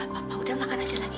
nggak apa apa udah makan aja lagi